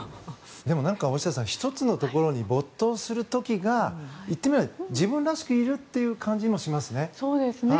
でも、大下さん１つのところに没頭する時が言ってみれば自分らしくいるという感じもしますね。